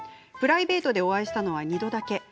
プライベートでお会いしたのは２度だけ。